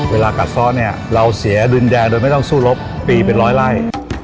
เวลากัดซ้อนเนี่ยเราเสียดุญแดงโดยไม่ต้องสู้รบปีเป็นร้อยไล่